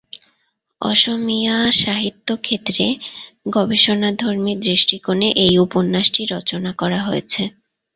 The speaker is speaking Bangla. অসমীয়া সাহিত্য ক্ষেত্রে গবেষণাধর্মী দৃষ্টিকোণে এই উপন্যাসটি রচনা করা হয়েছে।